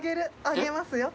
あげますよ。